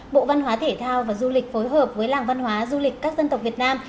bộ văn hóa thể thao và du lịch phối hợp với làng văn hóa du lịch các dân tộc việt nam